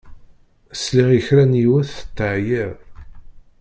Sliɣ i kra n yiwet tettɛeyyiḍ.